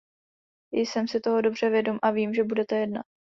Jsem si toho dobře vědom a vím, že budete jednat.